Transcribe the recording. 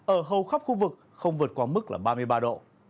ở hầu khắp khu vực không vượt qua mức là ba mươi ba độ